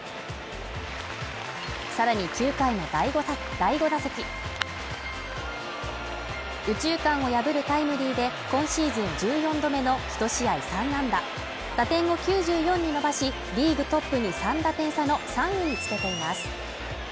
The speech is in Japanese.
さらに９回の第５打席右中間を破るタイムリーで今シーズン１４度目の１試合３安打打点を９４に伸ばしリーグトップに３打点差の３位につけています